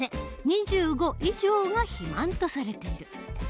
２５以上が肥満とされている。